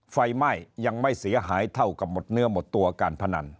ไฟไหม้ยังไม่เสียหายเท่ากับหมดเนื้อหมดตัวการพนัน